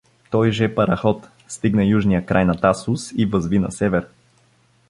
той же параход стигна южния край на Тасос и възви на север.